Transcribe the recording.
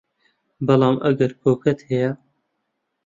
بەڵام ئەگەر کۆکەت هەیە